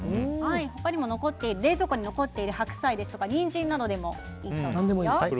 他にも冷蔵庫に残っている白菜やニンジンなどでもいいそうですよ。